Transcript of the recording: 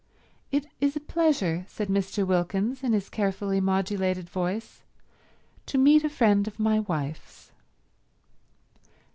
"It is a pleasure," said Mr. Wilkins in his carefully modulated voice, "to meet a friend of my wife's."